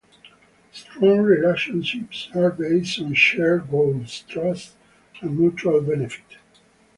Strong relationships are based on shared goals, trust, and mutual benefit.